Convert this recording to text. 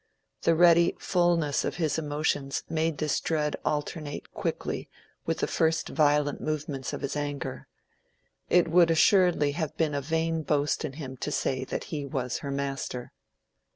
The ready fulness of his emotions made this dread alternate quickly with the first violent movements of his anger. It would assuredly have been a vain boast in him to say that he was her master.